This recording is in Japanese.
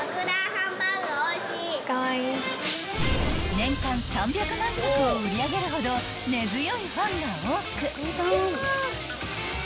［年間３００万食を売り上げるほど根強いファンが多く］